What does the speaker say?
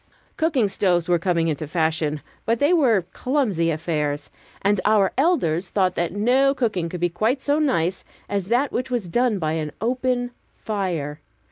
Cooking stoves were coming into fashion, but they were clumsy affairs, and our elders thought that no cooking could be quite so nice as that which was done by an open fire.